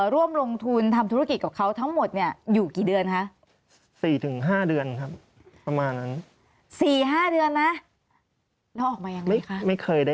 ร่วมลงทุนทำธุรกิจกับเขาทั้งหมด้งอยู่กี่เดือนแล้ว๔ถึง๕เดือน๔๕เดือนนะ